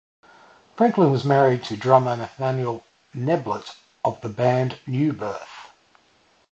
Franklin was married to drummer Nathaniel Neblett of the band New Birth.